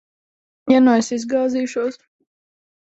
Ja nu es izgāzīšos?